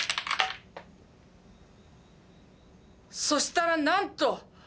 そしたらなんと！